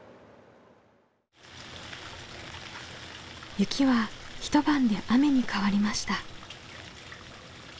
雪は一晩で雨に変わりました。